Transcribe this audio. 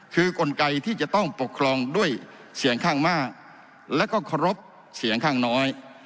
คือกลไกที่จะต้องปกครองด้วยเสียงข้างมากแล้วก็เคารพเสียงข้างน้อย